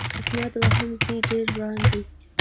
زما دوهم زوی ډېر وران دی